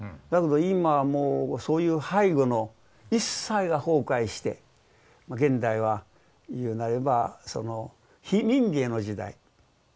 だけど今はもうそういう背後の一切は崩壊して現代は言うなればその非民藝の時代。